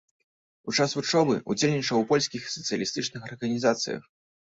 У час вучобы удзельнічаў ў польскіх сацыялістычных арганізацыях.